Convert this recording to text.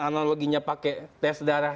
analoginya pakai tes darah